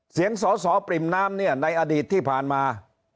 เสียงสอปริมน้ำในอดีตที่ผ่านมา